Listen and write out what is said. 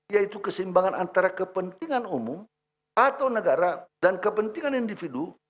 yaitu keseimbangan antara kepentingan umum atau negara dan kepentingan individu